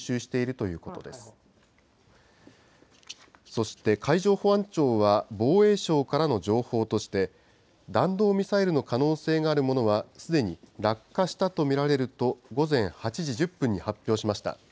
そして、海上保安庁は防衛省からの情報として、弾道ミサイルの可能性があるものは、すでに落下したと見られると、午前８時１０分に発表しました。